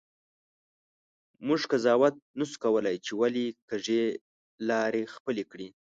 مونږ قضاوت نسو کولی چې ولي کږې لیارې خپلي کړي.